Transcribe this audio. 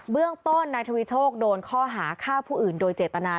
เรื่องต้นนายทวีโชคโดนข้อหาฆ่าผู้อื่นโดยเจตนา